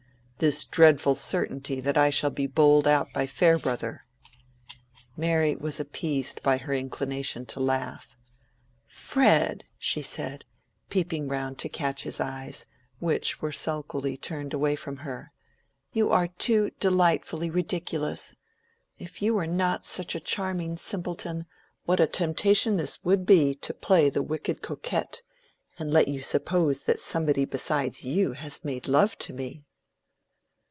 "This dreadful certainty that I shall be bowled out by Farebrother." Mary was appeased by her inclination to laugh. "Fred," she said, peeping round to catch his eyes, which were sulkily turned away from her, "you are too delightfully ridiculous. If you were not such a charming simpleton, what a temptation this would be to play the wicked coquette, and let you suppose that somebody besides you has made love to me."